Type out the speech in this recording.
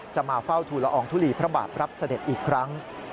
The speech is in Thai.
มาเฝ้าทุลอองทุลีพระบาทรับเสด็จอีกครั้ง